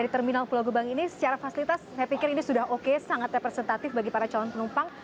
di terminal pulau gebang ini secara fasilitas saya pikir ini sudah oke sangat representatif bagi para calon penumpang